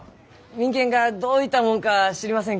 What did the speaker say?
民権がどういたもんか知りません